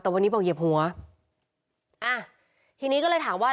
แต่วันนี้บอกเหยียบหัวอ่ะทีนี้ก็เลยถามว่า